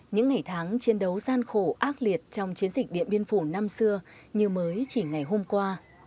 những ngày tháng chiến đấu gian khổ ác liệt trong chiến dịch điện biên phủ năm xưa như mới chỉ ngày hôm qua